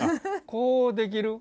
こうできる？